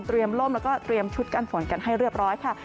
ล่มแล้วก็เตรียมชุดกันฝนกันให้เรียบร้อยค่ะ